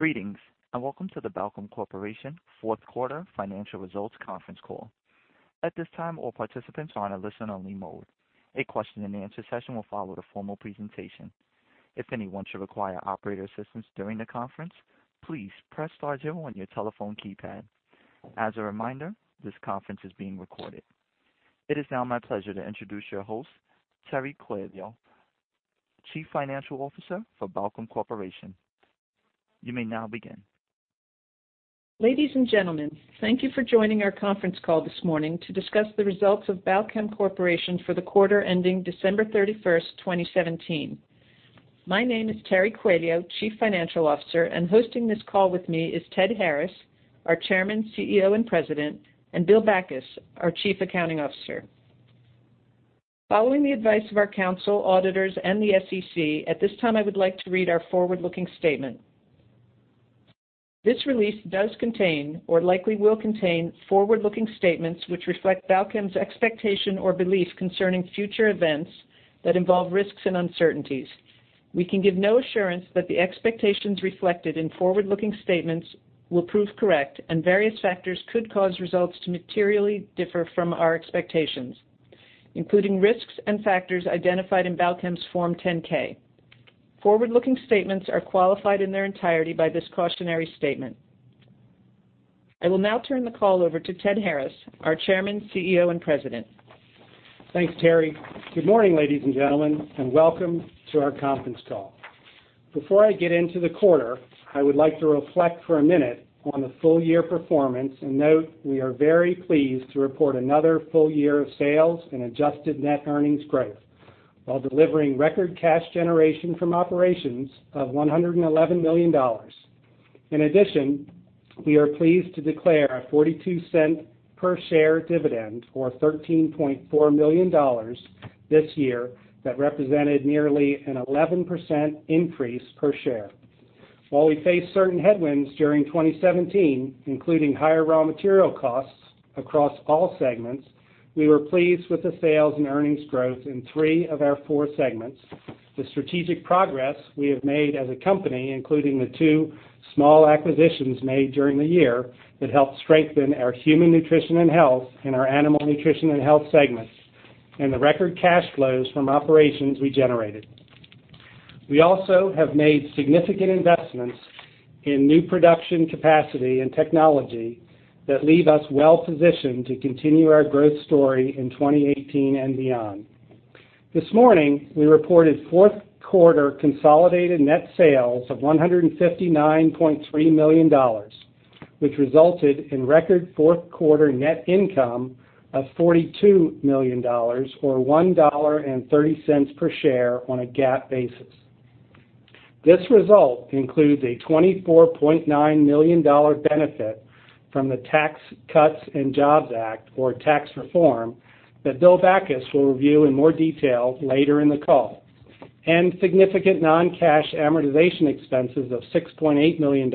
Greetings, welcome to the Balchem Corporation fourth quarter financial results conference call. At this time, all participants are in a listen-only mode. A question-and-answer session will follow the formal presentation. If anyone should require operator assistance during the conference, please press star zero on your telephone keypad. As a reminder, this conference is being recorded. It is now my pleasure to introduce your host, Terry Coelho, Chief Financial Officer for Balchem Corporation. You may now begin. Ladies and gentlemen, thank you for joining our conference call this morning to discuss the results of Balchem Corporation for the quarter ending December 31st, 2017. My name is Terry Coelho, Chief Financial Officer, hosting this call with me is Ted Harris, our Chairman, CEO, and President, and Bill Backus, our Chief Accounting Officer. Following the advice of our counsel, auditors, and the SEC, at this time, I would like to read our forward-looking statement. This release does contain or likely will contain forward-looking statements, which reflect Balchem's expectation or belief concerning future events that involve risks and uncertainties. We can give no assurance that the expectations reflected in forward-looking statements will prove correct, various factors could cause results to materially differ from our expectations, including risks and factors identified in Balchem's Form 10-K. Forward-looking statements are qualified in their entirety by this cautionary statement. I will now turn the call over to Ted Harris, our Chairman, CEO, and President. Thanks, Terry. Good morning, ladies and gentlemen, welcome to our conference call. Before I get into the quarter, I would like to reflect for a minute on the full year performance and note we are very pleased to report another full year of sales and adjusted net earnings growth while delivering record cash generation from operations of $111 million. In addition, we are pleased to declare a $0.42 per share dividend, or $13.4 million this year, that represented nearly an 11% increase per share. While we faced certain headwinds during 2017, including higher raw material costs across all segments, we were pleased with the sales and earnings growth in three of our four segments. The strategic progress we have made as a company, including the two small acquisitions made during the year that helped strengthen our Human Nutrition and Health and our Animal Nutrition and Health segments, and the record cash flows from operations we generated. We also have made significant investments in new production capacity and technology that leave us well-positioned to continue our growth story in 2018 and beyond. This morning, we reported fourth quarter consolidated net sales of $159.3 million, which resulted in record fourth quarter net income of $42 million, or $1.30 per share on a GAAP basis. This result includes a $24.9 million benefit from the Tax Cuts and Jobs Act, or tax reform, that Bill Backus will review in more detail later in the call, and significant non-cash amortization expenses of $6.8 million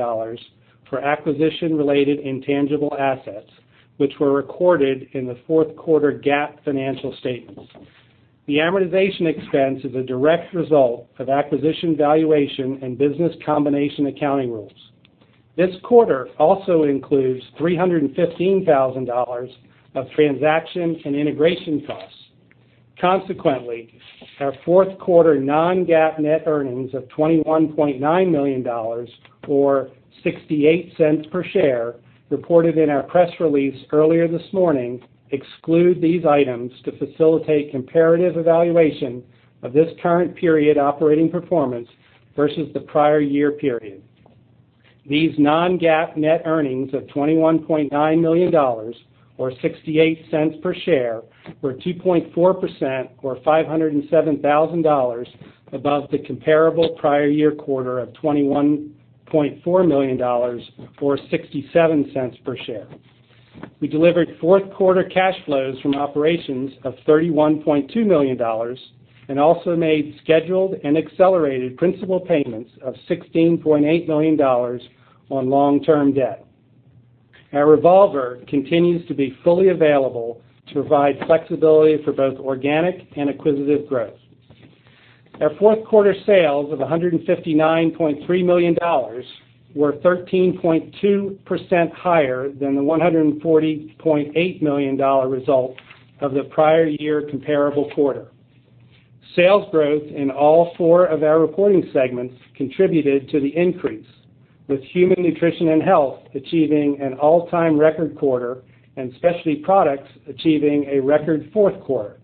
for acquisition-related intangible assets, which were recorded in the fourth quarter GAAP financial statements. The amortization expense is a direct result of acquisition valuation and business combination accounting rules. This quarter also includes $315,000 of transaction and integration costs. Consequently, our fourth quarter non-GAAP net earnings of $21.9 million, or $0.68 per share, reported in our press release earlier this morning exclude these items to facilitate comparative evaluation of this current period operating performance versus the prior year period. These non-GAAP net earnings of $21.9 million, or $0.68 per share, were 2.4%, or $507,000 above the comparable prior year quarter of $21.4 million or $0.67 per share. We delivered fourth quarter cash flows from operations of $31.2 million and also made scheduled and accelerated principal payments of $16.8 million on long-term debt. Our revolver continues to be fully available to provide flexibility for both organic and acquisitive growth. Our fourth quarter sales of $159.3 million were 13.2% higher than the $140.8 million result of the prior year comparable quarter. Sales growth in all four of our reporting segments contributed to the increase, with Human Nutrition and Health achieving an all-time record quarter and Specialty Products achieving a record fourth quarter.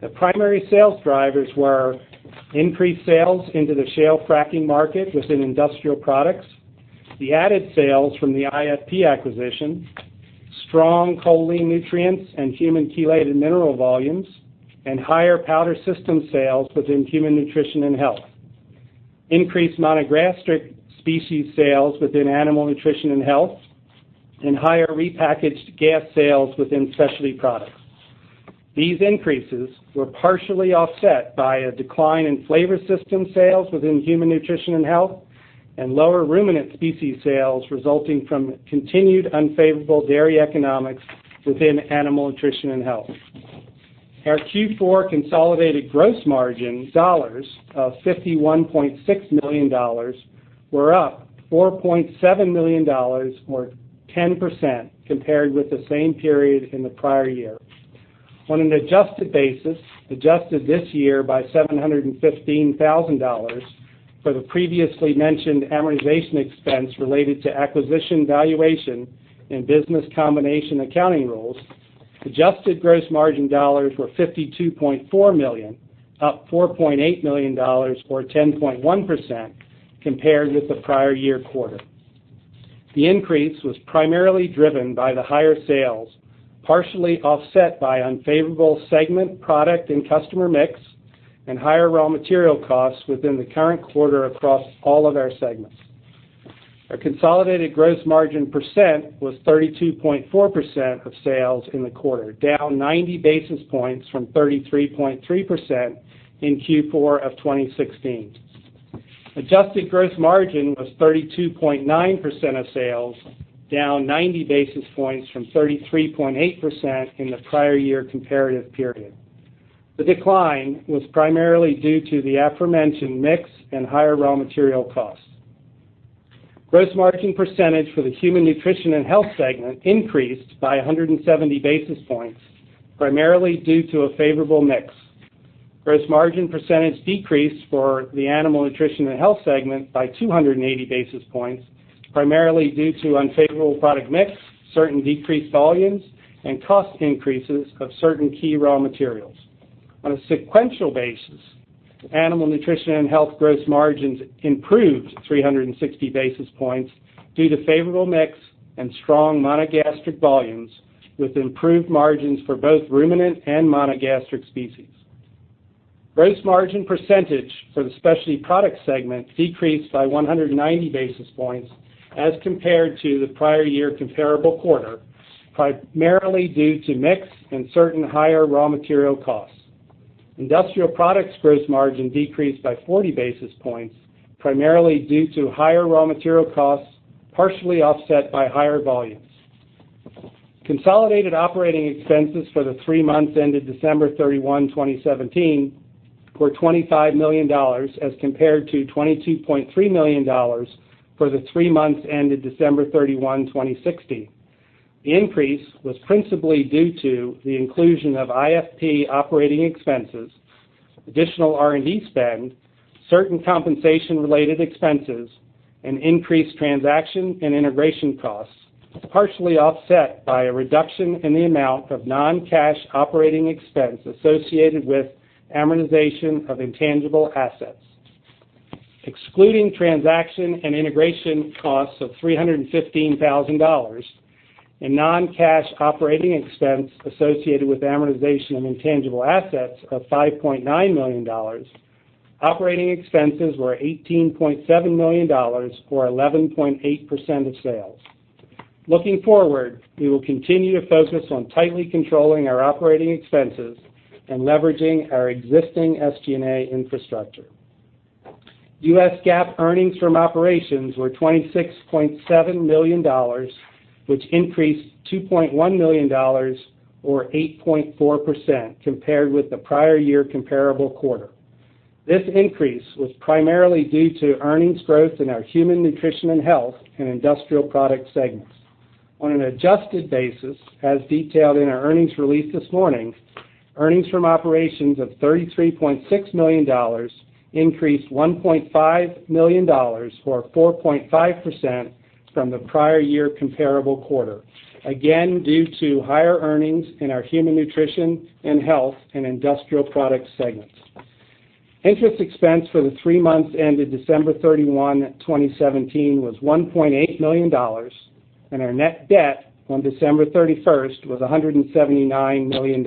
The primary sales drivers were increased sales into the shale fracking market within Industrial Products, the added sales from the IFP acquisition, strong choline nutrients and human chelated mineral volumes, and higher powder system sales within Human Nutrition and Health, increased monogastric species sales within Animal Nutrition and Health, and higher repackaged gas sales within Specialty Products. These increases were partially offset by a decline in flavor system sales within Human Nutrition and Health and lower ruminant species sales resulting from continued unfavorable dairy economics within Animal Nutrition and Health. Our Q4 consolidated gross margin dollars of $51.6 million were up $4.7 million, or 10%, compared with the same period in the prior year. On an adjusted basis, adjusted this year by $715,000 for the previously mentioned amortization expense related to acquisition valuation and business combination accounting rules, adjusted gross margin dollars were $52.4 million, up $4.8 million or 10.1% compared with the prior year quarter. The increase was primarily driven by the higher sales, partially offset by unfavorable segment, product, and customer mix, and higher raw material costs within the current quarter across all of our segments. Our consolidated gross margin percent was 32.4% of sales in the quarter, down 90 basis points from 33.3% in Q4 of 2016. Adjusted gross margin was 32.9% of sales, down 90 basis points from 33.8% in the prior year comparative period. The decline was primarily due to the aforementioned mix and higher raw material costs. Gross margin percentage for the Human Nutrition and Health segment increased by 170 basis points, primarily due to a favorable mix. Gross margin percentage decreased for the Animal Nutrition and Health segment by 280 basis points, primarily due to unfavorable product mix, certain decreased volumes, and cost increases of certain key raw materials. On a sequential basis, Animal Nutrition and Health gross margins improved 360 basis points due to favorable mix and strong monogastric volumes, with improved margins for both ruminant and monogastric species. Gross margin percentage for the Specialty Products segment decreased by 190 basis points as compared to the prior year comparable quarter, primarily due to mix and certain higher raw material costs. Industrial Products gross margin decreased by 40 basis points, primarily due to higher raw material costs, partially offset by higher volumes. Consolidated operating expenses for the three months ended December 31, 2017, were $25 million, as compared to $22.3 million for the three months ended December 31, 2016. The increase was principally due to the inclusion of IFP operating expenses, additional R&D spend, certain compensation-related expenses, and increased transaction and integration costs, partially offset by a reduction in the amount of non-cash operating expense associated with amortization of intangible assets. Excluding transaction and integration costs of $315,000 and non-cash operating expense associated with amortization of intangible assets of $5.9 million, operating expenses were $18.7 million, or 11.8% of sales. Looking forward, we will continue to focus on tightly controlling our operating expenses and leveraging our existing SG&A infrastructure. U.S. GAAP earnings from operations were $26.7 million, which increased $2.1 million, or 8.4%, compared with the prior year comparable quarter. This increase was primarily due to earnings growth in our Human Nutrition and Health and Industrial Products segments. On an adjusted basis, as detailed in our earnings release this morning, earnings from operations of $33.6 million increased $1.5 million, or 4.5%, from the prior year comparable quarter, again due to higher earnings in our Human Nutrition and Health and Industrial Products segments. Interest expense for the three months ended December 31, 2017, was $1.8 million, and our net debt on December 31st was $179 million.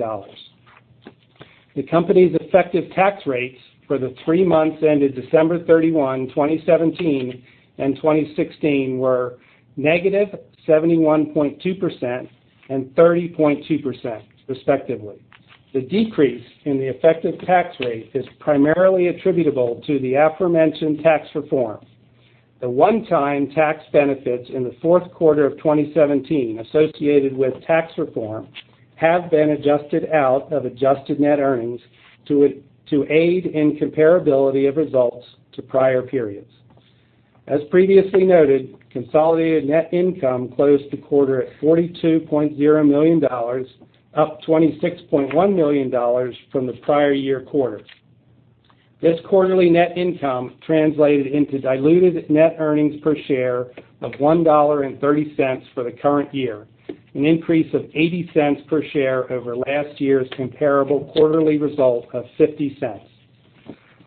The company's effective tax rates for the three months ended December 31, 2017, and 2016 were negative 71.2% and 30.2%, respectively. The decrease in the effective tax rate is primarily attributable to the aforementioned Tax Reform. The one-time tax benefits in the fourth quarter of 2017 associated with Tax Reform have been adjusted out of adjusted net earnings to aid in comparability of results to prior periods. As previously noted, consolidated net income closed the quarter at $42.0 million, up $26.1 million from the prior year quarter. This quarterly net income translated into diluted net earnings per share of $1.30 for the current year, an increase of $0.80 per share over last year's comparable quarterly result of $0.50.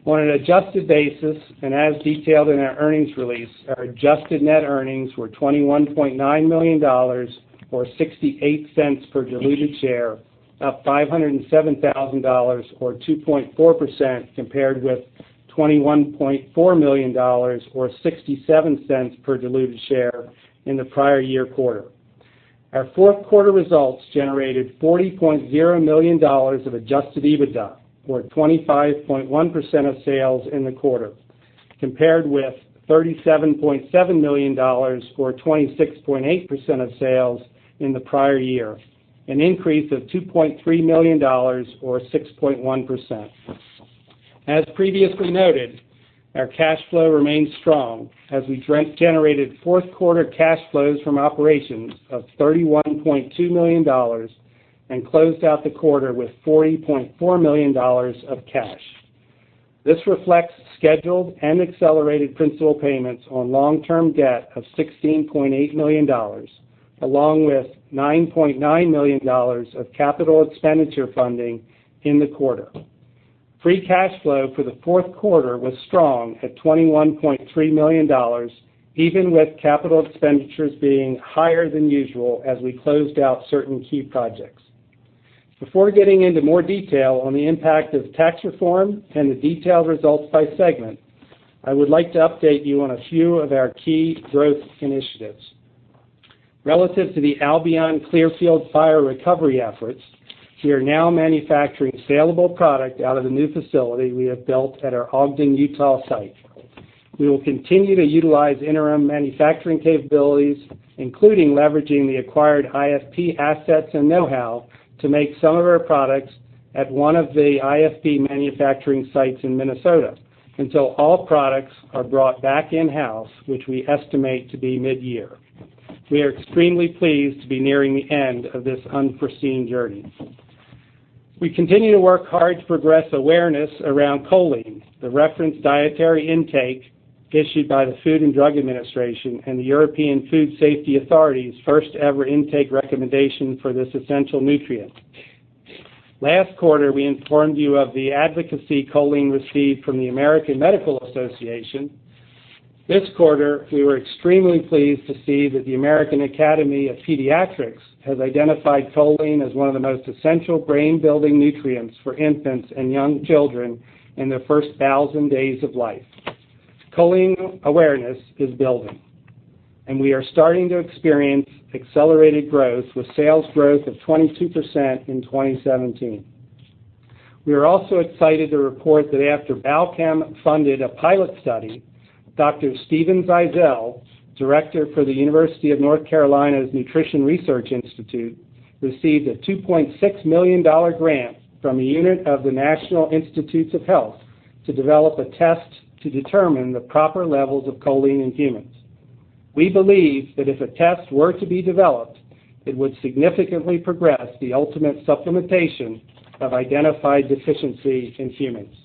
On an adjusted basis, as detailed in our earnings release, our adjusted net earnings were $21.9 million, or $0.68 per diluted share, up $507,000, or 2.4%, compared with $21.4 million, or $0.67 per diluted share in the prior year quarter. Our fourth quarter results generated $40.0 million of adjusted EBITDA, or 25.1% of sales in the quarter. Compared with $37.7 million, or 26.8% of sales in the prior year, an increase of $2.3 million or 6.1%. As previously noted, our cash flow remains strong as we generated fourth quarter cash flows from operations of $31.2 million and closed out the quarter with $40.4 million of cash. This reflects scheduled and accelerated principal payments on long-term debt of $16.8 million, along with $9.9 million of capital expenditure funding in the quarter. Free cash flow for the fourth quarter was strong at $21.3 million, even with capital expenditures being higher than usual as we closed out certain key projects. Before getting into more detail on the impact of tax reform and the detailed results by segment, I would like to update you on a few of our key growth initiatives. Relative to the Albion Clearfield fire recovery efforts, we are now manufacturing salable product out of the new facility we have built at our Ogden, Utah site. We will continue to utilize interim manufacturing capabilities, including leveraging the acquired IFP assets and know-how to make some of our products at one of the IFP manufacturing sites in Minnesota until all products are brought back in-house, which we estimate to be mid-year. We are extremely pleased to be nearing the end of this unforeseen journey. We continue to work hard to progress awareness around choline, the referenced dietary intake issued by the Food and Drug Administration and the European Food Safety Authority's first-ever intake recommendation for this essential nutrient. Last quarter, we informed you of the advocacy choline received from the American Medical Association. This quarter, we were extremely pleased to see that the American Academy of Pediatrics has identified choline as one of the most essential brain-building nutrients for infants and young children in their first 1,000 days of life. Choline awareness is building, and we are starting to experience accelerated growth with sales growth of 22% in 2017. We are also excited to report that after Balchem funded a pilot study, Dr. Steven Zeisel, Director for the University of North Carolina's Nutrition Research Institute, received a $2.6 million grant from a unit of the National Institutes of Health to develop a test to determine the proper levels of choline in humans. We believe that if a test were to be developed, it would significantly progress the ultimate supplementation of identified deficiencies in humans.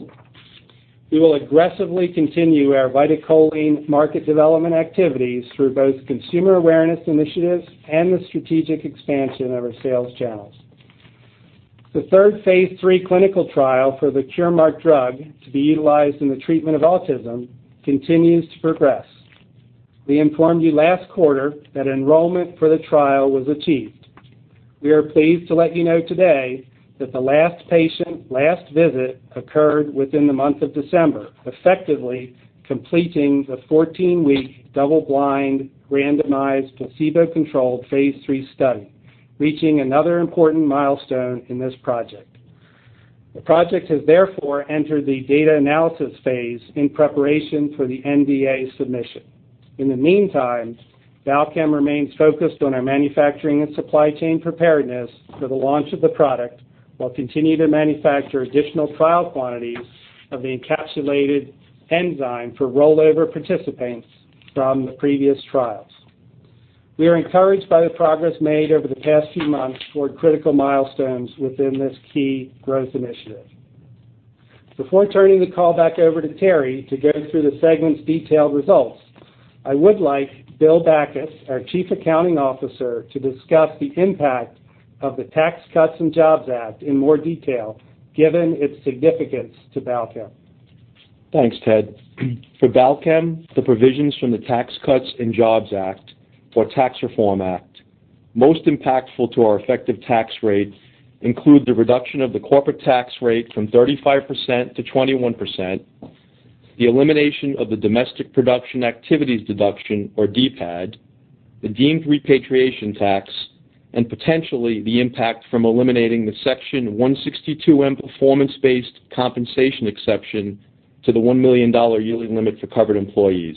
We will aggressively continue our VitaCholine market development activities through both consumer awareness initiatives and the strategic expansion of our sales channels. The third phase III clinical trial for the Curemark drug to be utilized in the treatment of autism continues to progress. We informed you last quarter that enrollment for the trial was achieved. We are pleased to let you know today that the last patient, last visit occurred within the month of December, effectively completing the 14-week double-blind, randomized, placebo-controlled phase III study, reaching another important milestone in this project. The project has therefore entered the data analysis phase in preparation for the NDA submission. In the meantime, Balchem remains focused on our manufacturing and supply chain preparedness for the launch of the product, while continuing to manufacture additional trial quantities of the encapsulated enzyme for rollover participants from the previous trials. We are encouraged by the progress made over the past few months toward critical milestones within this key growth initiative. Before turning the call back over to Terry to go through the segment's detailed results, I would like Bill Backus, our Chief Accounting Officer, to discuss the impact of the Tax Cuts and Jobs Act in more detail, given its significance to Balchem. Thanks, Ted. For Balchem, the provisions from the Tax Cuts and Jobs Act, or Tax Reform Act, most impactful to our effective tax rate include the reduction of the corporate tax rate from 35% to 21%, the elimination of the domestic production activities deduction, or DPAD, the deemed repatriation tax, and potentially the impact from eliminating the Section 162(m) performance-based compensation exception to the $1 million yearly limit for covered employees.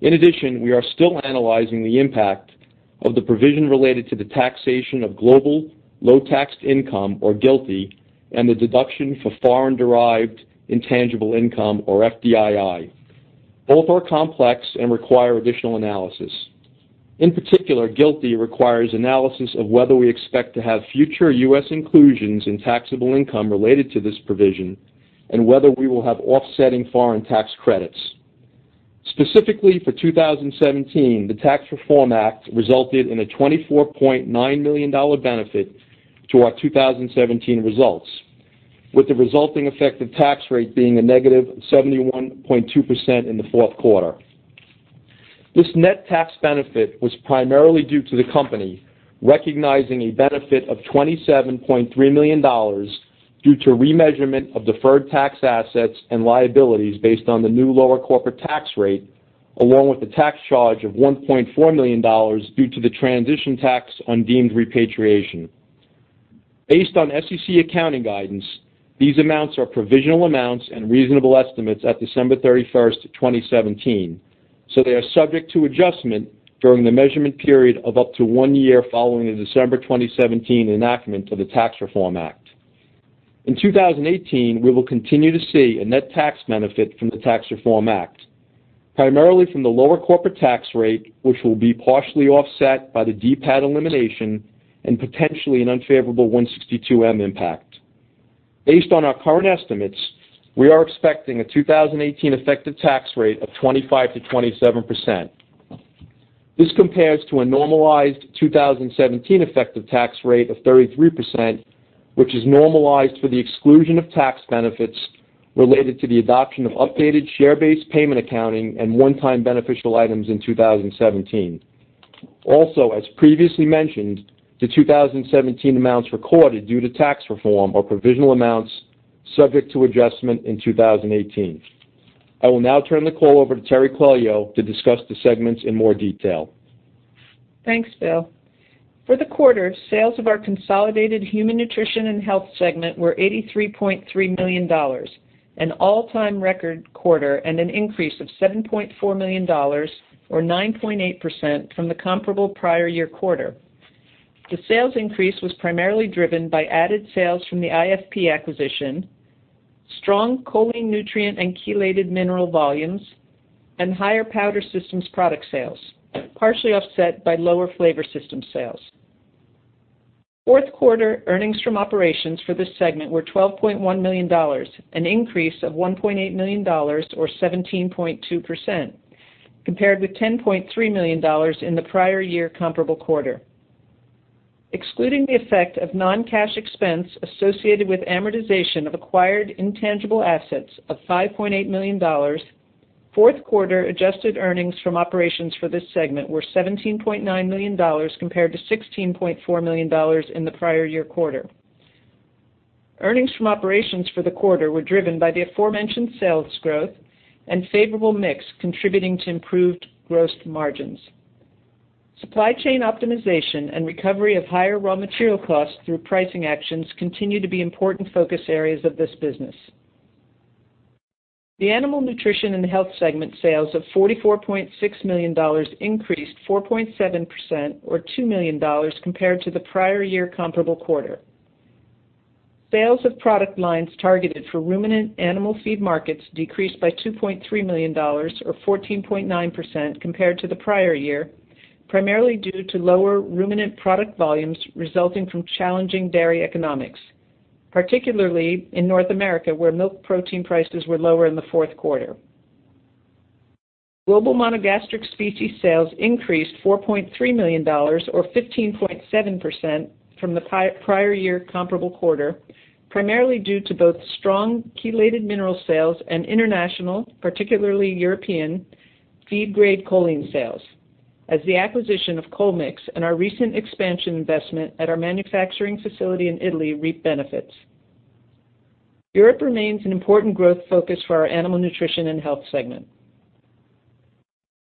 In addition, we are still analyzing the impact of the provision related to the taxation of global low taxed income, or GILTI, and the deduction for foreign derived intangible income, or FDII. Both are complex and require additional analysis. In particular, GILTI requires analysis of whether we expect to have future U.S. inclusions in taxable income related to this provision and whether we will have offsetting foreign tax credits. Specifically for 2017, the Tax Reform Act resulted in a $24.9 million benefit to our 2017 results, with the resulting effective tax rate being a negative 71.2% in the fourth quarter. This net tax benefit was primarily due to the company recognizing a benefit of $27.3 million due to remeasurement of deferred tax assets and liabilities based on the new lower corporate tax rate, along with a tax charge of $1.4 million due to the transition tax on deemed repatriation. Based on SEC accounting guidance, these amounts are provisional amounts and reasonable estimates at December 31, 2017, so they are subject to adjustment during the measurement period of up to one year following the December 2017 enactment of the Tax Reform Act. In 2018, we will continue to see a net tax benefit from the Tax Reform Act, primarily from the lower corporate tax rate, which will be partially offset by the DPAD elimination and potentially an unfavorable 162(m) impact. Based on our current estimates, we are expecting a 2018 effective tax rate of 25%-27%. This compares to a normalized 2017 effective tax rate of 33%, which is normalized for the exclusion of tax benefits related to the adoption of updated share-based payment accounting and one-time beneficial items in 2017. Also, as previously mentioned, the 2017 amounts recorded due to tax reform are provisional amounts subject to adjustment in 2018. I will now turn the call over to Terry Coelho to discuss the segments in more detail. Thanks, Bill. For the quarter, sales of our consolidated Human Nutrition and Health segment were $83.3 million, an all-time record quarter and an increase of $7.4 million, or 9.8%, from the comparable prior year quarter. The sales increase was primarily driven by added sales from the IFP acquisition, strong choline nutrient and chelated mineral volumes, and higher powder systems product sales, partially offset by lower flavor system sales. Fourth quarter earnings from operations for this segment were $12.1 million, an increase of $1.8 million or 17.2%, compared with $10.3 million in the prior year comparable quarter. Excluding the effect of non-cash expense associated with amortization of acquired intangible assets of $5.8 million, fourth quarter adjusted earnings from operations for this segment were $17.9 million compared to $16.4 million in the prior year quarter. Earnings from operations for the quarter were driven by the aforementioned sales growth and favorable mix contributing to improved gross margins. Supply chain optimization and recovery of higher raw material costs through pricing actions continue to be important focus areas of this business. The Animal Nutrition and Health segment sales of $44.6 million increased 4.7%, or $2 million, compared to the prior year comparable quarter. Sales of product lines targeted for ruminant animal feed markets decreased by $2.3 million, or 14.9%, compared to the prior year, primarily due to lower ruminant product volumes resulting from challenging dairy economics, particularly in North America, where milk protein prices were lower in the fourth quarter. Global monogastric species sales increased $4.3 million, or 15.7%, from the prior year comparable quarter, primarily due to both strong chelated mineral sales and international, particularly European, feed-grade choline sales as the acquisition of Chol-Mix and our recent expansion investment at our manufacturing facility in Italy reap benefits. Europe remains an important growth focus for our Animal Nutrition and Health segment.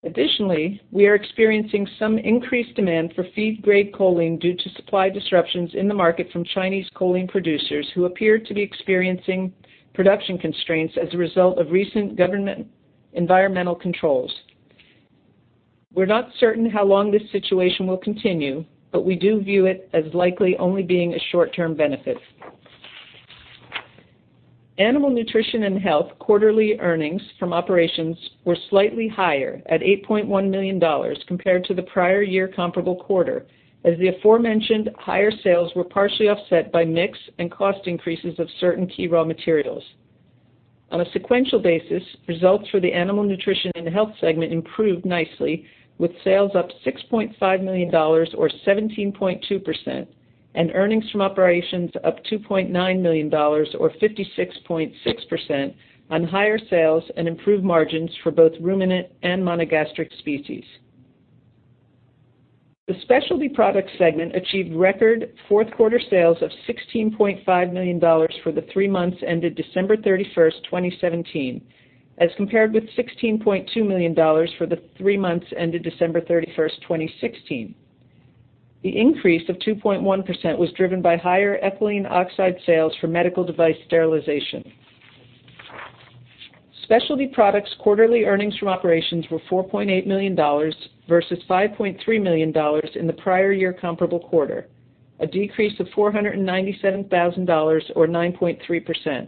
Additionally, we are experiencing some increased demand for feed-grade choline due to supply disruptions in the market from Chinese choline producers who appear to be experiencing production constraints as a result of recent government environmental controls. We are not certain how long this situation will continue, we do view it as likely only being a short-term benefit. Animal Nutrition and Health quarterly earnings from operations were slightly higher at $8.1 million compared to the prior year comparable quarter, as the aforementioned higher sales were partially offset by mix and cost increases of certain key raw materials. On a sequential basis, results for the Animal Nutrition and Health segment improved nicely, with sales up $6.5 million or 17.2%, and earnings from operations up $2.9 million or 56.6%, on higher sales and improved margins for both ruminant and monogastric species. The Specialty Products segment achieved record fourth quarter sales of $16.5 million for the three months ended December 31st, 2017, as compared with $16.2 million for the three months ended December 31st, 2016. The increase of 2.1% was driven by higher ethylene oxide sales for medical device sterilization. Specialty Products quarterly earnings from operations were $4.8 million versus $5.3 million in the prior year comparable quarter, a decrease of $497,000, or 9.3%.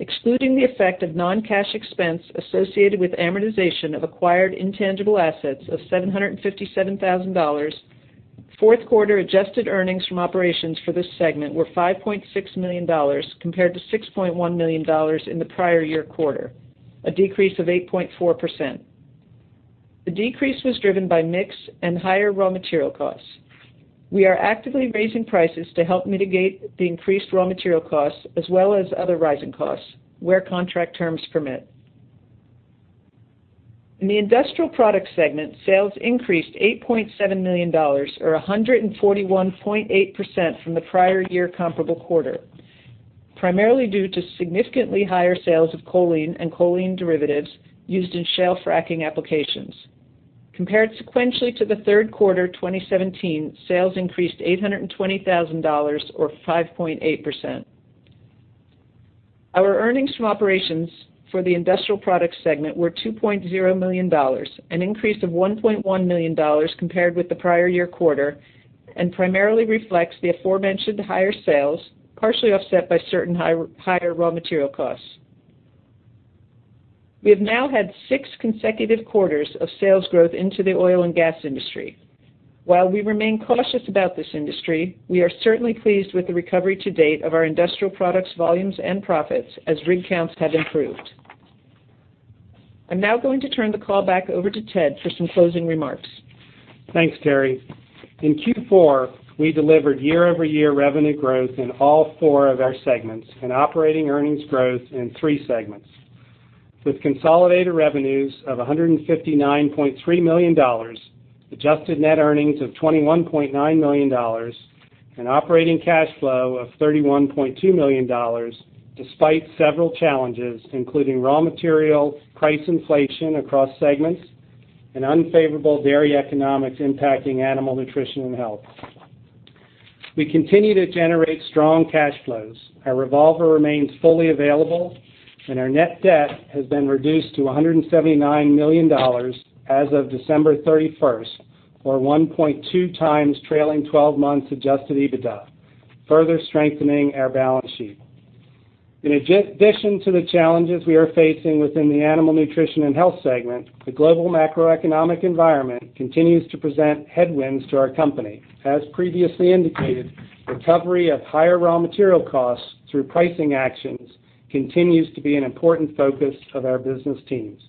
Excluding the effect of non-cash expense associated with amortization of acquired intangible assets of $757,000, fourth quarter adjusted earnings from operations for this segment were $5.6 million compared to $6.1 million in the prior year quarter, a decrease of 8.4%. The decrease was driven by mix and higher raw material costs. We are actively raising prices to help mitigate the increased raw material costs as well as other rising costs where contract terms permit. In the Industrial Products segment, sales increased $8.7 million or 141.8% from the prior year comparable quarter. Primarily due to significantly higher sales of choline and choline derivatives used in shale fracking applications. Compared sequentially to the third quarter 2017, sales increased $820,000 or 5.8%. Our earnings from operations for the Industrial Products segment were $2.0 million, an increase of $1.1 million compared with the prior year quarter, primarily reflects the aforementioned higher sales, partially offset by certain higher raw material costs. We have now had six consecutive quarters of sales growth into the oil and gas industry. While we remain cautious about this industry, we are certainly pleased with the recovery to date of our Industrial Products volumes and profits as rig counts have improved. I'm now going to turn the call back over to Ted for some closing remarks. Thanks, Terry. In Q4, we delivered year-over-year revenue growth in all four of our segments, operating earnings growth in three segments. With consolidated revenues of $159.3 million, adjusted net earnings of $21.9 million, operating cash flow of $31.2 million, despite several challenges, including raw material price inflation across segments and unfavorable dairy economics impacting Animal Nutrition and Health. We continue to generate strong cash flows. Our revolver remains fully available, our net debt has been reduced to $179 million as of December 31st, or 1.2 times trailing 12 months adjusted EBITDA, further strengthening our balance sheet. In addition to the challenges we are facing within the Animal Nutrition and Health segment, the global macroeconomic environment continues to present headwinds to our company. As previously indicated, recovery of higher raw material costs through pricing actions continues to be an important focus of our business teams.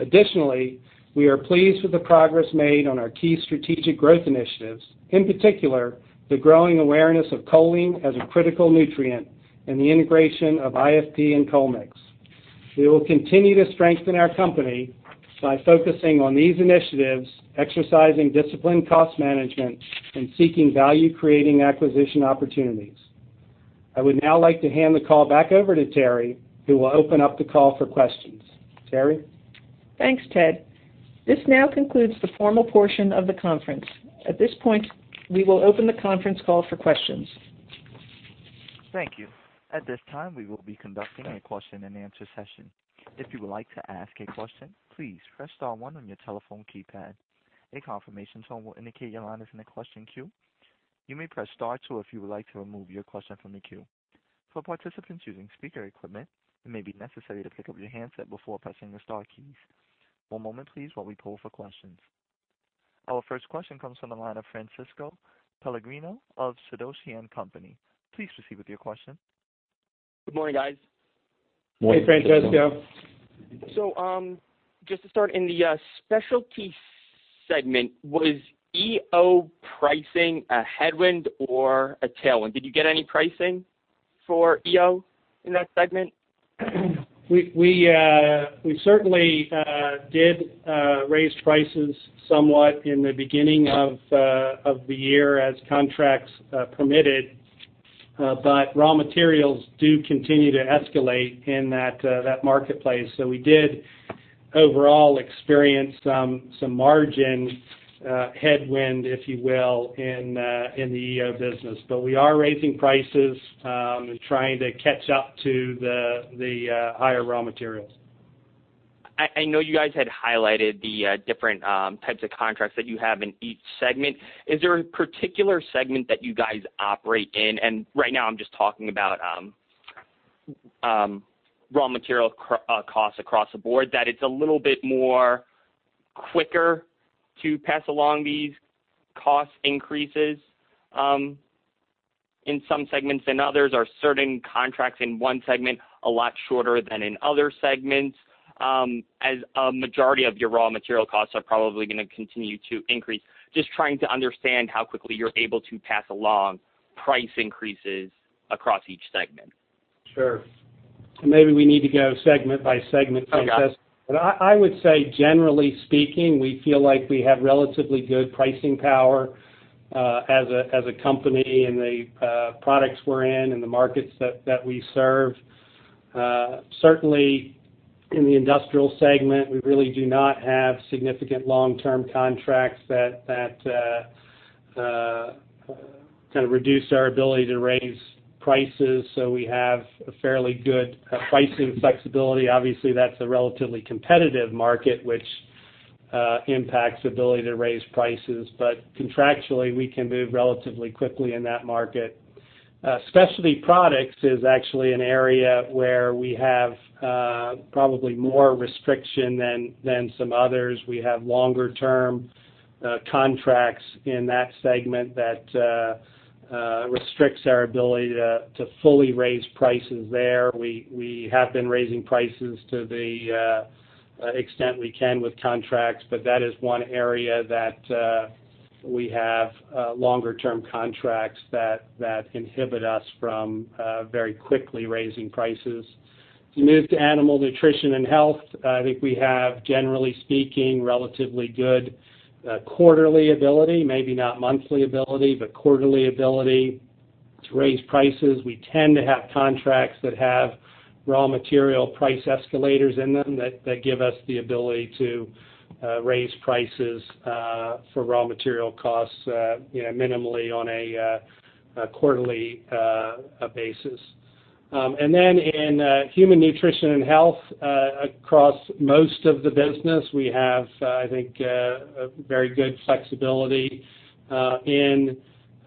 Additionally, we are pleased with the progress made on our key strategic growth initiatives, in particular, the growing awareness of choline as a critical nutrient and the integration of IFP and Chol-Mix. We will continue to strengthen our company by focusing on these initiatives, exercising disciplined cost management, seeking value-creating acquisition opportunities. I would now like to hand the call back over to Terry, who will open up the call for questions. Terry? Thanks, Ted. This now concludes the formal portion of the conference. At this point, we will open the conference call for questions. Thank you. At this time, we will be conducting a question and answer session. If you would like to ask a question, please press star one on your telephone keypad. A confirmation tone will indicate your line is in the question queue. You may press star two if you would like to remove your question from the queue. For participants using speaker equipment, it may be necessary to pick up your handset before pressing your star keys. One moment please while we poll for questions. Our first question comes from the line of Francesco Pellegrino of Sidoti & Company. Please proceed with your question. Good morning, guys. Morning, Francesco. Hey, Francesco. Just to start, in the Specialty Products segment, was EO pricing a headwind or a tailwind? Did you get any pricing for EO in that segment? We certainly did raise prices somewhat in the beginning of the year as contracts permitted. Raw materials do continue to escalate in that marketplace. We did overall experience some margin headwind, if you will, in the EO business. We are raising prices and trying to catch up to the higher raw materials. I know you guys had highlighted the different types of contracts that you have in each segment. Is there a particular segment that you guys operate in, and right now I'm just talking about raw material costs across the board, that it's a little bit more quicker to pass along these cost increases in some segments than others? Are certain contracts in one segment a lot shorter than in other segments, as a majority of your raw material costs are probably going to continue to increase? Just trying to understand how quickly you're able to pass along price increases across each segment. Sure. Maybe we need to go segment by segment, Francesco. Okay. I would say generally speaking, we feel like we have relatively good pricing power as a company in the products we're in and the markets that we serve. Certainly, in the industrial segment, we really do not have significant long-term contracts that kind of reduce our ability to raise prices. We have a fairly good pricing flexibility. Obviously, that's a relatively competitive market which impacts ability to raise prices. Contractually, we can move relatively quickly in that market. Specialty Products is actually an area where we have probably more restriction than some others. We have longer-term contracts in that segment that restricts our ability to fully raise prices there. We have been raising prices to the extent we can with contracts, but that is one area that we have longer-term contracts that inhibit us from very quickly raising prices. If you move to Animal Nutrition and Health, I think we have, generally speaking, relatively good quarterly ability, maybe not monthly ability, but quarterly ability to raise prices. We tend to have contracts that have raw material price escalators in them that give us the ability to raise prices for raw material costs minimally on a quarterly basis. In Human Nutrition and Health, across most of the business, we have, I think, a very good flexibility. In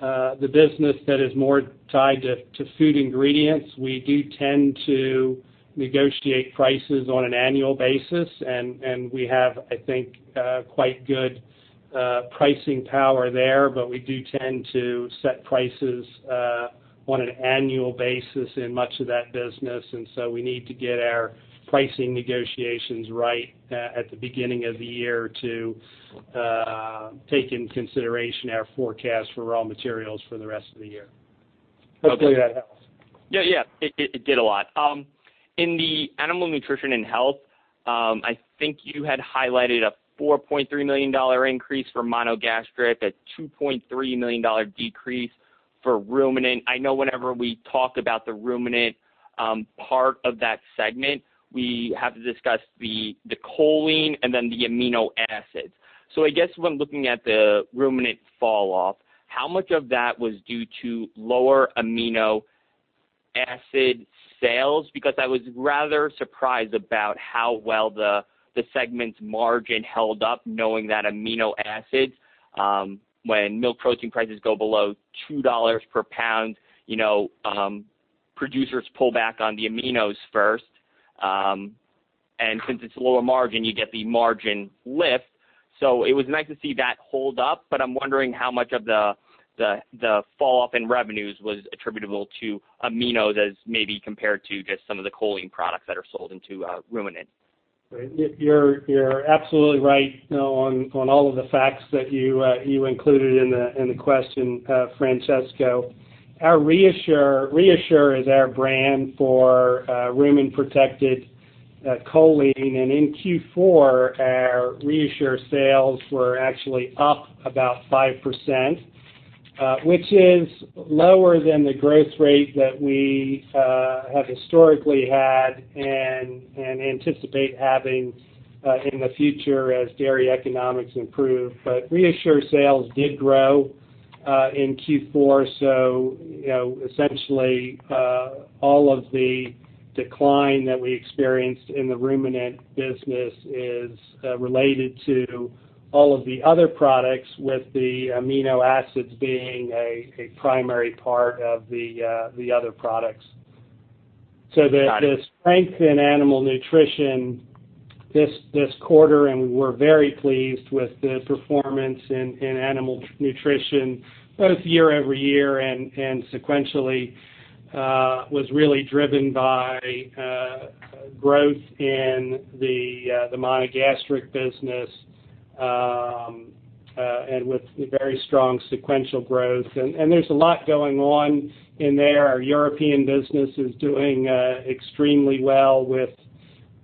the business that is more tied to food ingredients, we do tend to negotiate prices on an annual basis, and we have, I think, quite good pricing power there, but we do tend to set prices on an annual basis in much of that business. We need to get our pricing negotiations right at the beginning of the year to take into consideration our forecast for raw materials for the rest of the year. Hopefully that helps. Yeah. It did a lot. In the Animal Nutrition and Health, I think you had highlighted a $4.3 million increase for monogastric, a $2.3 million decrease for ruminant. I know whenever we talk about the ruminant part of that segment, we have to discuss the choline and then the amino acids. I guess when looking at the ruminant fall off, how much of that was due to lower amino acid sales? Because I was rather surprised about how well the segment's margin held up, knowing that amino acids, when milk protein prices go below $2 per pound, producers pull back on the aminos first. Since it's lower margin, you get the margin lift. It was nice to see that hold up, but I'm wondering how much of the falloff in revenues was attributable to aminos as maybe compared to just some of the choline products that are sold into ruminant. You're absolutely right on all of the facts that you included in the question, Francesco. ReaShure is our brand for rumen-protected choline. In Q4, our ReaShure sales were actually up about 5%, which is lower than the growth rate that we have historically had and anticipate having in the future as dairy economics improve. ReaShure sales did grow in Q4, so essentially, all of the decline that we experienced in the ruminant business is related to all of the other products, with the amino acids being a primary part of the other products. Got it. The strength in Animal Nutrition this quarter, and we were very pleased with the performance in Animal Nutrition, both year-over-year and sequentially, was really driven by growth in the monogastric business, and with very strong sequential growth. There's a lot going on in there. Our European business is doing extremely well with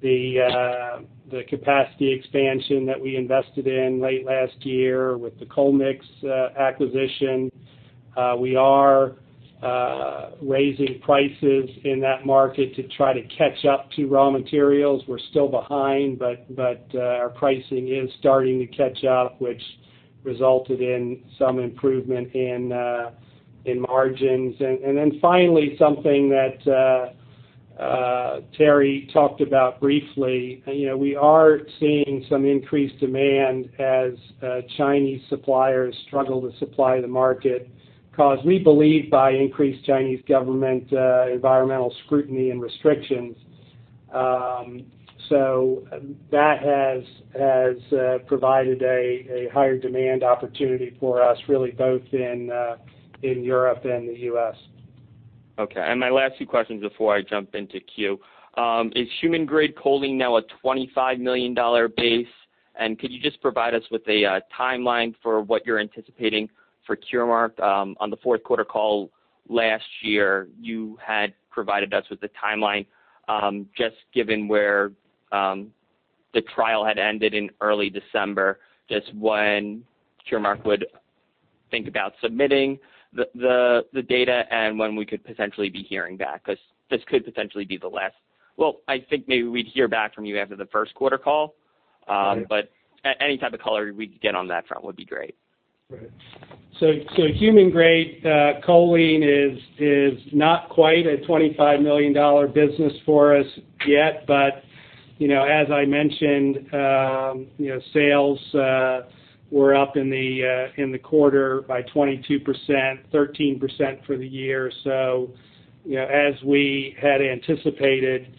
the capacity expansion that we invested in late last year with the Chol-Mix Kft acquisition. We are raising prices in that market to try to catch up to raw materials. We're still behind, but our pricing is starting to catch up, which resulted in some improvement in margins. Finally, something that Terry talked about briefly. We are seeing some increased demand as Chinese suppliers struggle to supply the market, caused, we believe, by increased Chinese government environmental scrutiny and restrictions. That has provided a higher demand opportunity for us, really both in Europe and the U.S. Okay. My last two questions before I jump into queue. Is human-grade choline now a $25 million base? Could you just provide us with a timeline for what you're anticipating for Curemark? On the fourth quarter call last year, you had provided us with a timeline, just given where the trial had ended in early December, just when Curemark would think about submitting the data and when we could potentially be hearing back, because this could potentially be the last. I think maybe we'd hear back from you after the first quarter call. Right. Any type of color we'd get on that front would be great. Right. Human-grade choline is not quite a $25 million business for us yet. As I mentioned, sales were up in the quarter by 22%, 13% for the year. As we had anticipated,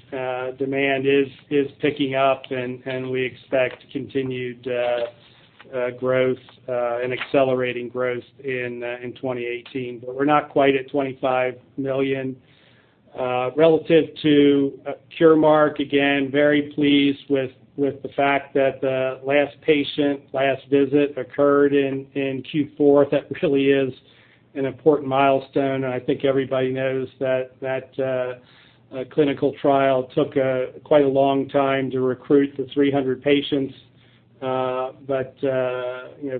demand is picking up, and we expect continued growth and accelerating growth in 2018. We're not quite at $25 million. Relative to Curemark, again, very pleased with the fact that the last patient, last visit occurred in Q4. That really is an important milestone, and I think everybody knows that that clinical trial took quite a long time to recruit the 300 patients.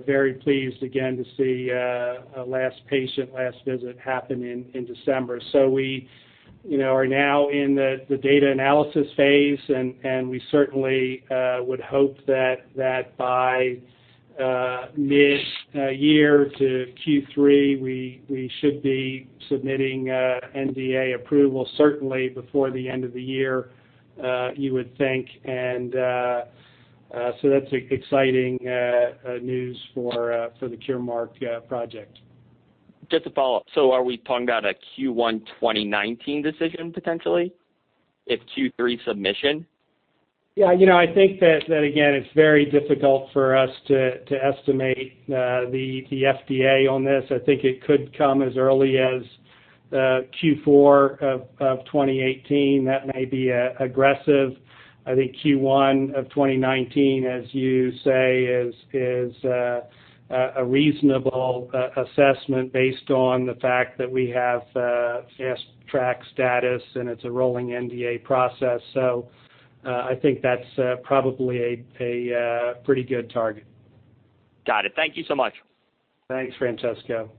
Very pleased again to see last patient, last visit happen in December. We are now in the data analysis phase, and we certainly would hope that by mid-year to Q3, we should be submitting NDA approval, certainly before the end of the year, you would think. That's exciting news for the Curemark project. Just to follow up, are we talking about a Q1 2019 decision, potentially, if Q3 submission? Yeah. I think that again, it's very difficult for us to estimate the FDA on this. I think it could come as early as Q4 of 2018. That may be aggressive. I think Q1 of 2019, as you say, is a reasonable assessment based on the fact that we have fast track status, and it's a rolling NDA process. I think that's probably a pretty good target. Got it. Thank you so much. Thanks, Francesco.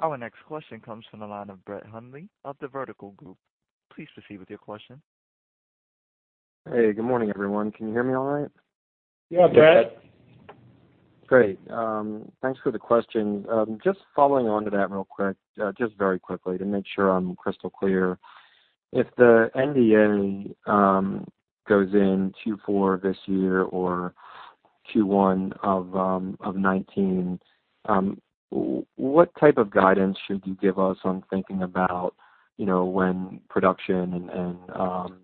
Our next question comes from the line of Brett Hundley of The Vertical Group. Please proceed with your question. Hey, good morning, everyone. Can you hear me all right? Yeah, Brett. Great. Thanks for the question. Just following on to that real quick, just very quickly to make sure I'm crystal clear. If the NDA goes in Q4 this year or Q1 of 2019, what type of guidance should you give us on thinking about when production and business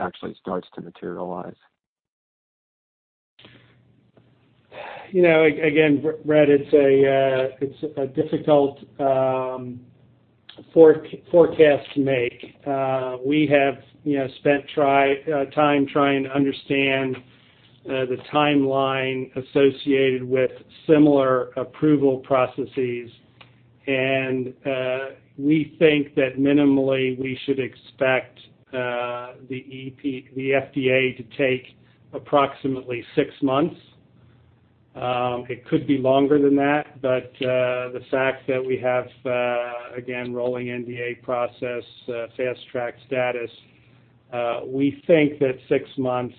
actually starts to materialize? Again, Brett, it's a difficult forecast to make. We have spent time trying to understand the timeline associated with similar approval processes, and we think that minimally, we should expect the FDA to take approximately six months. It could be longer than that, but the fact that we have, again, rolling NDA process, fast track status, we think that six months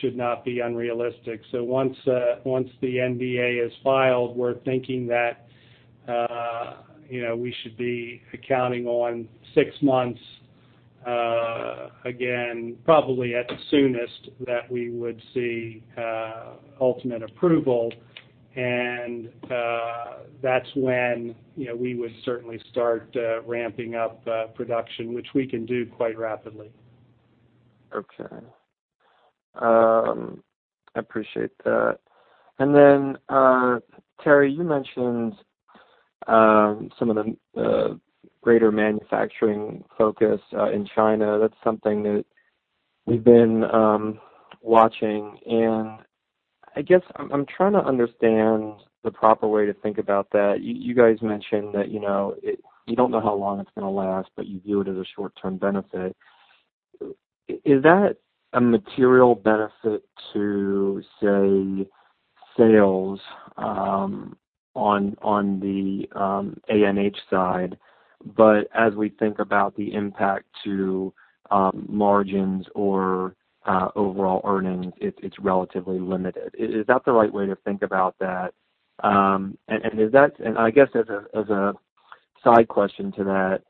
should not be unrealistic. Once the NDA is filed, we're thinking that we should be accounting on six months, again, probably at the soonest, that we would see ultimate approval. That's when we would certainly start ramping up production, which we can do quite rapidly. Okay. I appreciate that. Then, Terry, you mentioned some of the greater manufacturing focus in China. That's something that we've been watching, and I guess I'm trying to understand the proper way to think about that. You guys mentioned that you don't know how long it's going to last, but you view it as a short-term benefit. Is that a material benefit to, say, sales on the ANH side, but as we think about the impact to margins or overall earnings, it's relatively limited. Is that the right way to think about that? I guess as a side question to that,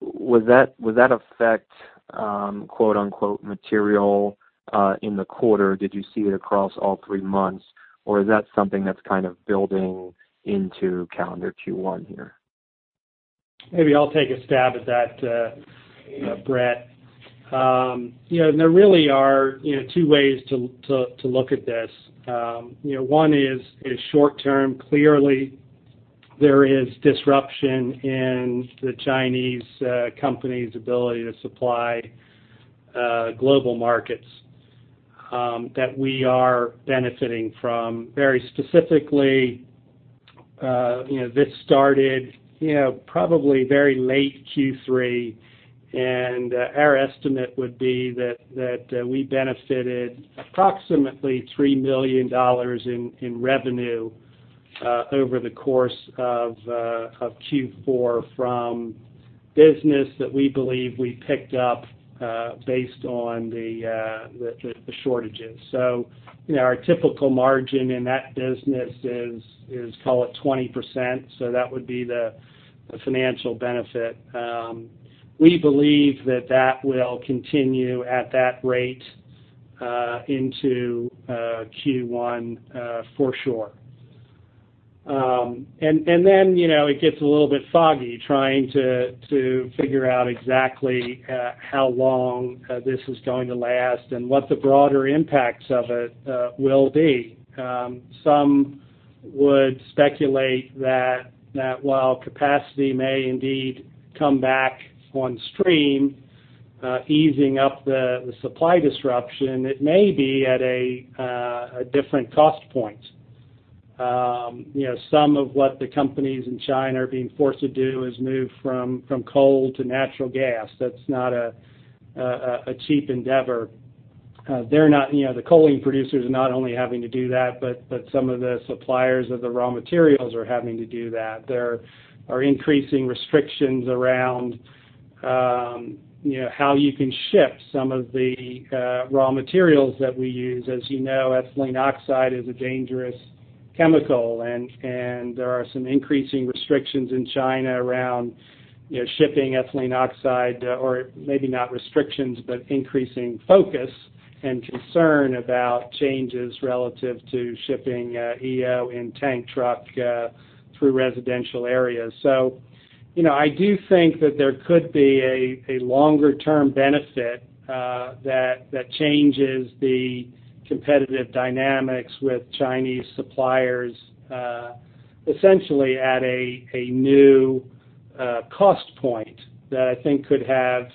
would that affect "material" in the quarter? Did you see it across all three months, or is that something that's building into calendar Q1 here? Maybe I'll take a stab at that, Brett. There really are two ways to look at this. One is short-term. Clearly, there is disruption in the Chinese company's ability to supply global markets that we are benefiting from. Very specifically, this started probably very late Q3, and our estimate would be that we benefited approximately $3 million in revenue over the course of Q4 from business that we believe we picked up based on the shortages. Our typical margin in that business is, call it 20%, so that would be the financial benefit. We believe that that will continue at that rate into Q1 for sure. Then it gets a little bit foggy trying to figure out exactly how long this is going to last and what the broader impacts of it will be. Some would speculate that while capacity may indeed come back on stream easing up the supply disruption, it may be at a different cost point. Some of what the companies in China are being forced to do is move from coal to natural gas. That's not a cheap endeavor. The choline producers are not only having to do that, but some of the suppliers of the raw materials are having to do that. There are increasing restrictions around how you can ship some of the raw materials that we use. As you know, ethylene oxide is a dangerous chemical, and there are some increasing restrictions in China around shipping ethylene oxide. Maybe not restrictions, but increasing focus and concern about changes relative to shipping EO in tank truck through residential areas. I do think that there could be a longer-term benefit that changes the competitive dynamics with Chinese suppliers, essentially at a new cost point that I think could have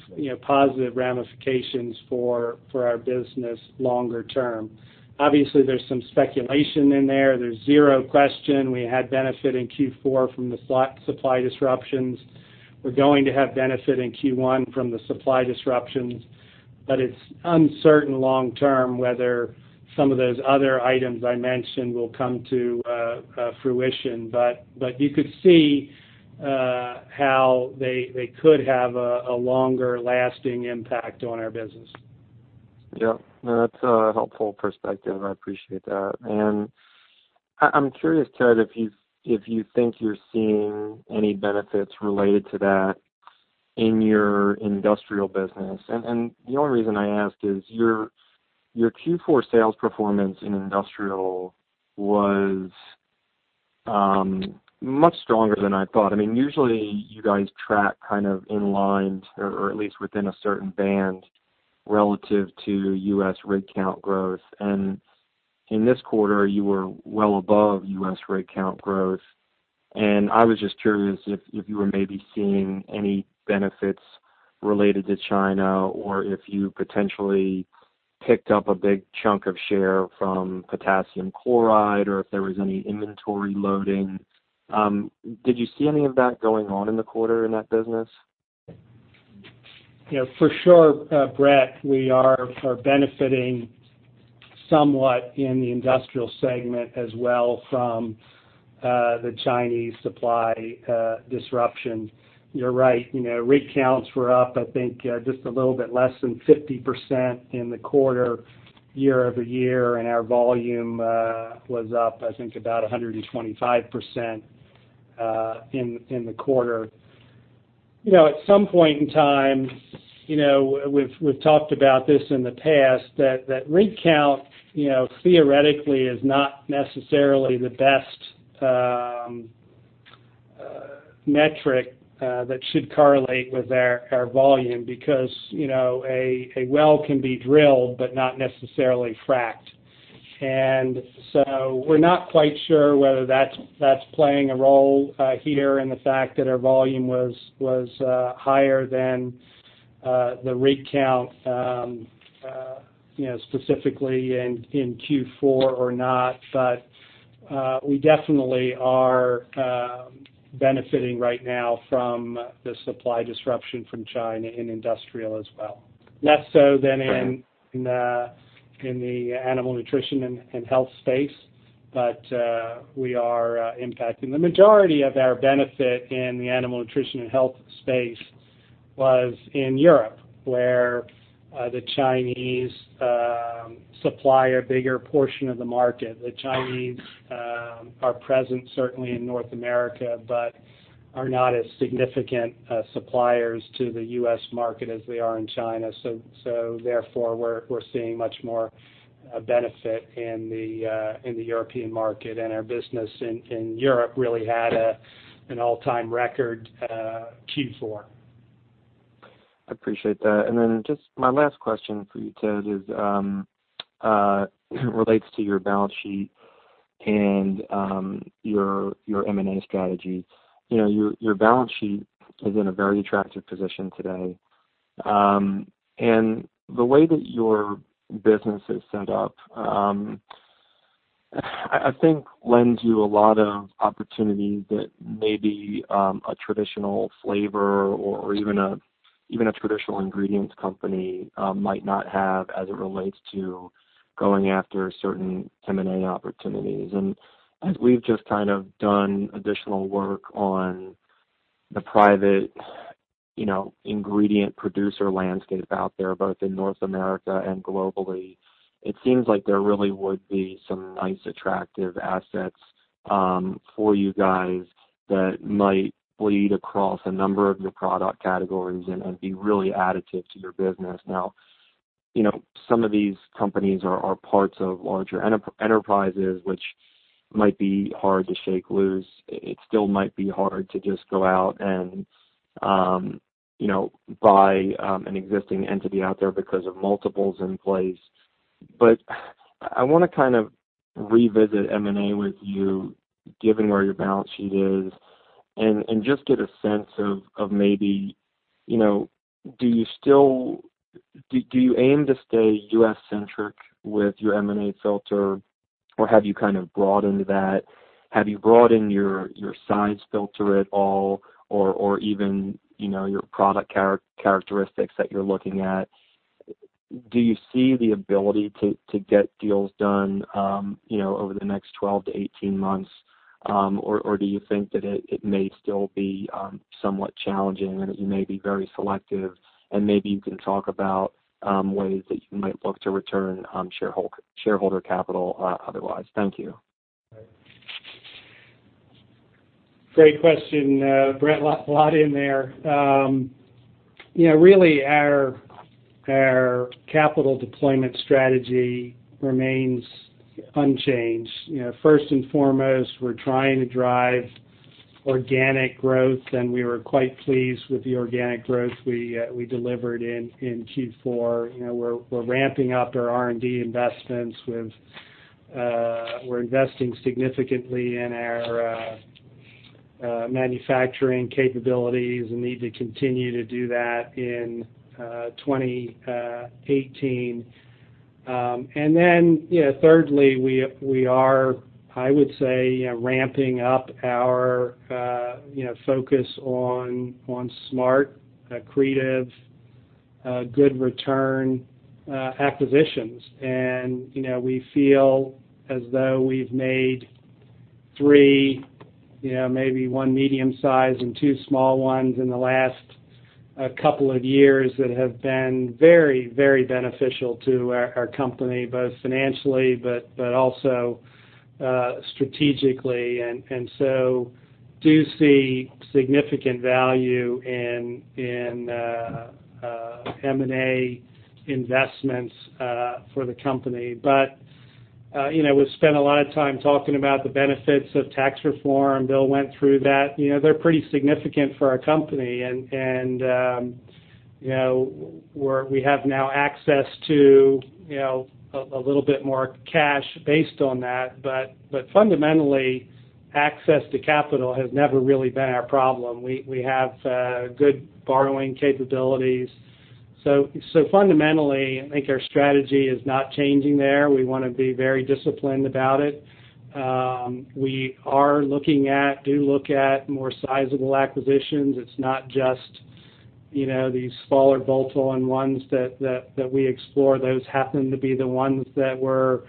positive ramifications for our business longer term. Obviously, there's some speculation in there. There's zero question we had benefit in Q4 from the supply disruptions. We're going to have benefit in Q1 from the supply disruptions, but it's uncertain long term whether some of those other items I mentioned will come to fruition. You could see how they could have a longer-lasting impact on our business. Yep. No, that's a helpful perspective. I appreciate that. I'm curious, Ted, if you think you're seeing any benefits related to that in your Industrial business. The only reason I ask is your Q4 sales performance in Industrial was much stronger than I thought. Usually, you guys track kind of in line or at least within a certain band relative to U.S. rig count growth. In this quarter, you were well above U.S. rig count growth. I was just curious if you were maybe seeing any benefits related to China or if you potentially picked up a big chunk of share from potassium chloride or if there was any inventory loading. Did you see any of that going on in the quarter in that business? For sure, Brett, we are benefiting somewhat in the industrial segment as well from the Chinese supply disruption. You're right. Rig counts were up, I think, just a little bit less than 50% in the quarter year-over-year, and our volume was up, I think, about 125% in the quarter. At some point in time, we've talked about this in the past, that rig count theoretically is not necessarily the best metric that should correlate with our volume because a well can be drilled but not necessarily fracked. We're not quite sure whether that's playing a role here and the fact that our volume was higher than the rig count specifically in Q4 or not. We definitely are benefiting right now from the supply disruption from China in industrial as well. Less so than in the Animal Nutrition and Health space, but we are impacting. The majority of our benefit in the Animal Nutrition and Health space was in Europe, where the Chinese supply a bigger portion of the market. The Chinese are present certainly in North America but are not as significant suppliers to the U.S. market as they are in China. We're seeing much more benefit in the European market. Our business in Europe really had an all-time record Q4. I appreciate that. Just my last question for you, Ted, relates to your balance sheet and your M&A strategy. Your balance sheet is in a very attractive position today. The way that your business is set up, I think lends you a lot of opportunity that maybe a traditional flavor or even a traditional ingredients company might not have as it relates to going after certain M&A opportunities. As we've just kind of done additional work on the private ingredient producer landscape out there, both in North America and globally, it seems like there really would be some nice, attractive assets for you guys that might bleed across a number of your product categories and be really additive to your business. Some of these companies are parts of larger enterprises, which might be hard to shake loose. It still might be hard to just go out and buy an existing entity out there because of multiples in place. I want to kind of revisit M&A with you given where your balance sheet is, and just get a sense of maybe, do you aim to stay U.S.-centric with your M&A filter, or have you broadened that? Have you broadened your size filter at all, or even your product characteristics that you're looking at? Do you see the ability to get deals done over the next 12-18 months, or do you think that it may still be somewhat challenging, and you may be very selective? Maybe you can talk about ways that you might look to return shareholder capital otherwise. Thank you. Great question, Brett. A lot in there. Our capital deployment strategy remains unchanged. First and foremost, we're trying to drive organic growth, and we were quite pleased with the organic growth we delivered in Q4. We're ramping up our R&D investments. We're investing significantly in our manufacturing capabilities and need to continue to do that in 2018. Thirdly, we are, I would say, ramping up our focus on smart, accretive, good return acquisitions. We feel as though we've made three, maybe one medium size and two small ones, in the last couple of years that have been very, very beneficial to our company, both financially but also strategically. We do see significant value in M&A investments for the company. We've spent a lot of time talking about the benefits of tax reform. Bill went through that. They're pretty significant for our company, and we have now access to a little bit more cash based on that. Fundamentally, access to capital has never really been our problem. We have good borrowing capabilities. Fundamentally, I think our strategy is not changing there. We want to be very disciplined about it. We do look at more sizable acquisitions. It's not just these smaller bolt-on ones that we explore. Those happen to be the ones that were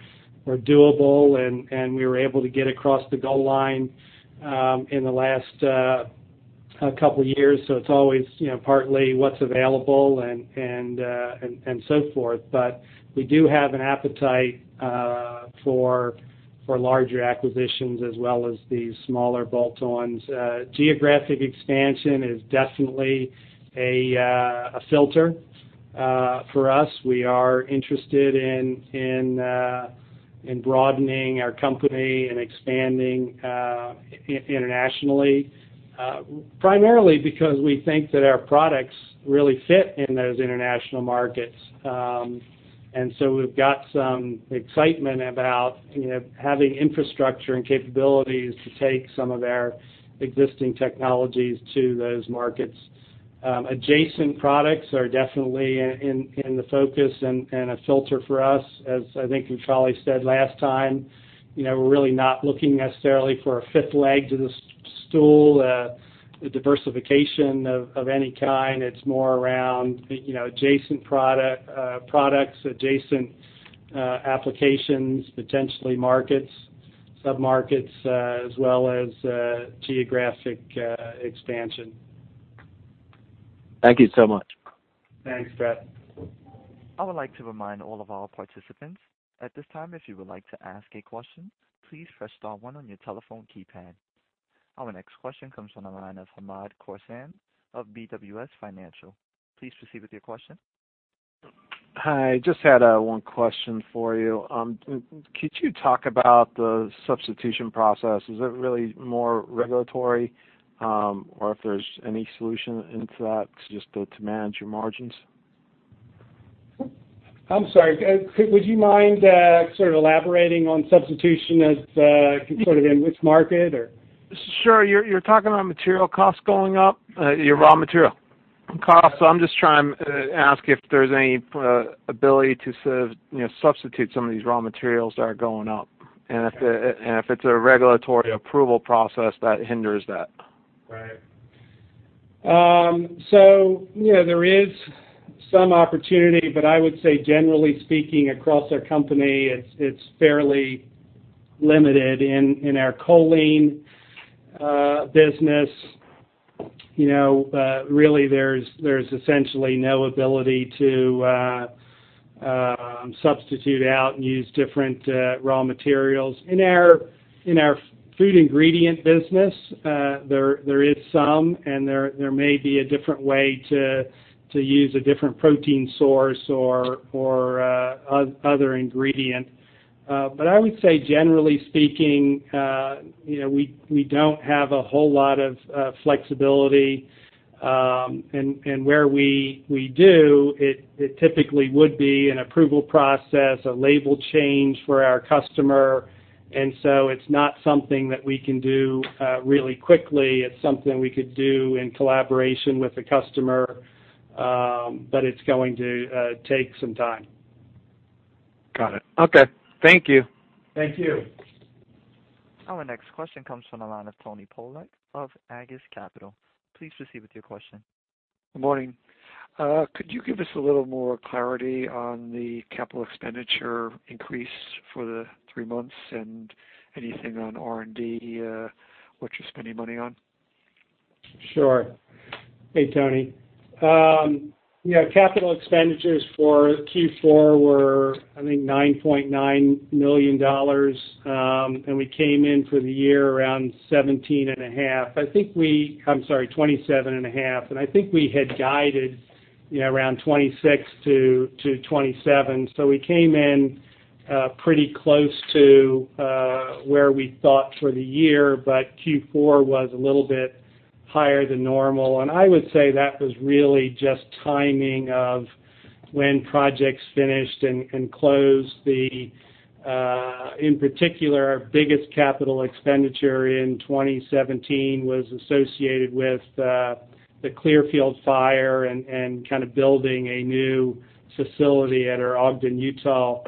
doable, and we were able to get across the goal line in the last couple of years. It's always partly what's available and so forth. We do have an appetite for larger acquisitions as well as these smaller bolt-ons. Geographic expansion is definitely a filter for us. We are interested in broadening our company and expanding internationally, primarily because we think that our products really fit in those international markets. We've got some excitement about having infrastructure and capabilities to take some of our existing technologies to those markets. Adjacent products are definitely in the focus and a filter for us. As I think we probably said last time, we're really not looking necessarily for a fifth leg to the stool, a diversification of any kind. It's more around adjacent products, adjacent applications, potentially markets, sub-markets, as well as geographic expansion. Thank you so much. Thanks, Brett. I would like to remind all of our participants, at this time, if you would like to ask a question, please press star one on your telephone keypad. Our next question comes from the line of Hamed Khorsand of BWS Financial. Please proceed with your question. Hi, just had one question for you. Could you talk about the substitution process? Is it really more regulatory, or if there's any solution into that just to manage your margins? I'm sorry. Could you mind elaborating on substitution as sort of in which market or? Sure. You're talking about material costs going up? Your raw material costs. I'm just trying to ask if there's any ability to substitute some of these raw materials that are going up. And if it's a regulatory approval process that hinders that. Right. There is some opportunity, but I would say generally speaking across our company, it's fairly limited. In our choline business, really there's essentially no ability to substitute out and use different raw materials. In our food ingredient business, there is some, and there may be a different way to use a different protein source or other ingredient. I would say, generally speaking, we don't have a whole lot of flexibility. Where we do, it typically would be an approval process, a label change for our customer. It's not something that we can do really quickly. It's something we could do in collaboration with the customer, but it's going to take some time. Got it. Okay. Thank you. Thank you. Our next question comes from the line of Anthony Polak of Aegis Capital. Please proceed with your question. Good morning. Could you give us a little more clarity on the capital expenditure increase for the three months and anything on R&D, what you're spending money on? Sure. Hey, Tony. Yeah, capital expenditures for Q4 were, I think, $9.9 million. We came in for the year around $17 and a half. I'm sorry, $27 and a half. I think we had guided around $26-$27. We came in pretty close to where we thought for the year, but Q4 was a little bit higher than normal. I would say that was really just timing of when projects finished and closed. In particular, our biggest capital expenditure in 2017 was associated with the Clearfield fire and building a new facility at our Ogden, Utah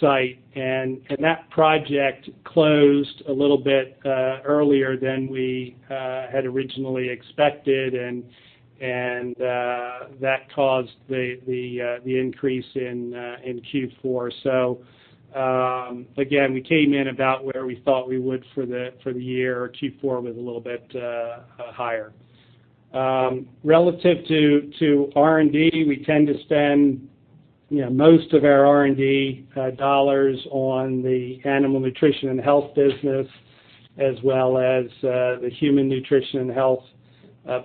site. That project closed a little bit earlier than we had originally expected, and that caused the increase in Q4. Again, we came in about where we thought we would for the year. Q4 was a little bit higher. Relative to R&D, we tend to spend most of our R&D dollars on the Animal Nutrition and Health business as well as the Human Nutrition and Health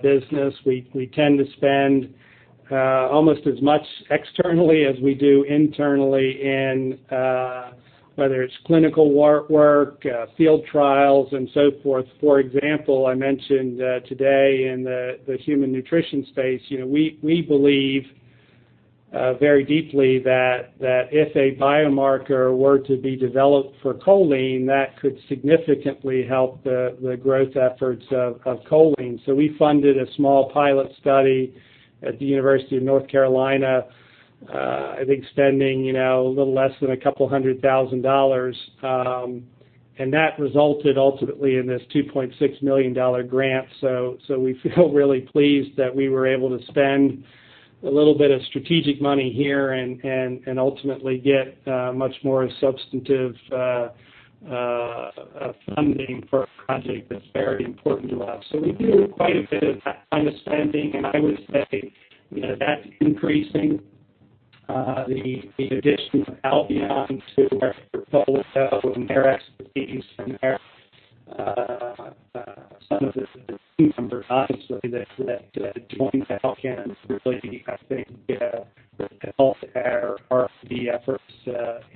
business. We tend to spend almost as much externally as we do internally in whether it's clinical work, field trials, and so forth. For example, I mentioned today in the human nutrition space, we believe very deeply that if a biomarker were to be developed for choline, that could significantly help the growth efforts of choline. We funded a small pilot study at the University of North Carolina, I think spending a little less than $200,000. That resulted ultimately in this $2.6 million grant. We feel really pleased that we were able to spend a little bit of strategic money here and ultimately get much more substantive funding for a project that's very important to us. We do quite a bit of that kind of spending, and I would say that's increasing. The addition of Albion to our portfolio and their expertise and some of the team from Versalis that joined Balchem is really enhancing both our R&D efforts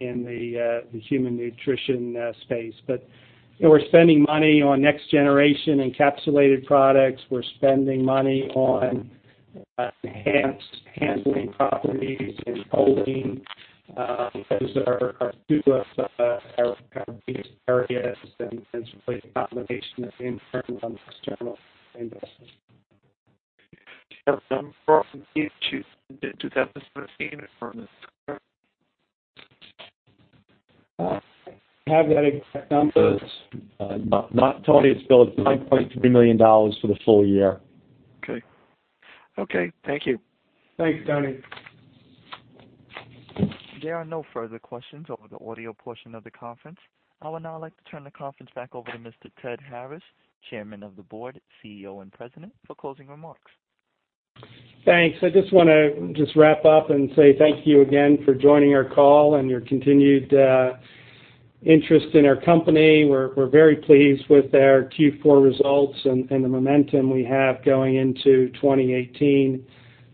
in the human nutrition space. We're spending money on next generation encapsulated products. We're spending money on enhanced handling properties in choline. Those are two of our biggest areas that have been since replacing combination of internal and external investments. Do you have some inaudible]? I don't have that exact number, Tony. It's still at $9.3 million for the full year. Okay. Thank you. Thanks, Tony. There are no further questions over the audio portion of the conference. I would now like to turn the conference back over to Mr. Ted Harris, Chairman of the Board, CEO and President, for closing remarks. Thanks. I just want to wrap up and say thank you again for joining our call and your continued interest in our company. We are very pleased with our Q4 results and the momentum we have going into 2018.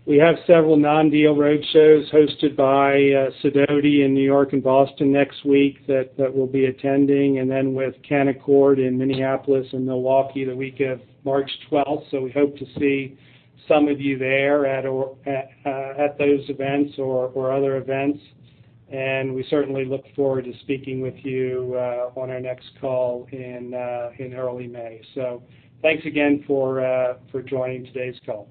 We have several non-deal roadshows hosted by Sidoti in New York and Boston next week that we will be attending, then with Canaccord in Minneapolis and Milwaukee the week of March 12th. We hope to see some of you there at those events or other events. We certainly look forward to speaking with you on our next call in early May. Thanks again for joining today's call.